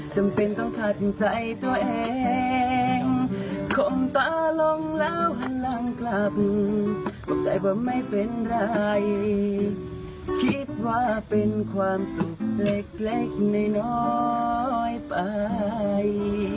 เก่งนะคือเพลงจบที่เขาพอดีไง